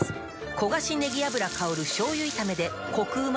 焦がしねぎ油香る醤油炒めでコクうま